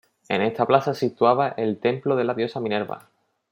En esta plaza se situaba el templo de la diosa Minerva.